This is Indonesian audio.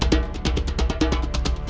bukan bukan karena harta